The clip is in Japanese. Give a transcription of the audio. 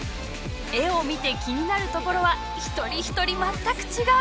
絵を見て気になるところは一人一人全く違う！